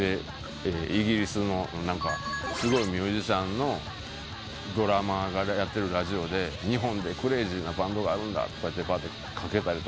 イギリスのすごいミュージシャンのドラマーがやってるラジオで「日本でクレイジーなバンドがあるんだ」とかけたり。